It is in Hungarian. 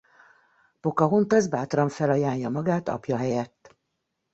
Pocahontas bátran felajánlja magát apja helyett.